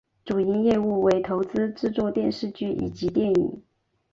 主营业务为投资制作电视剧以及电影。